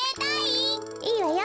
いいわよ。